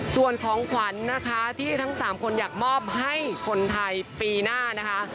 ส่วนของขวัญนะคะที่ทั้ง๓คนอยากมอบให้คนไทยปีหน้านะคะ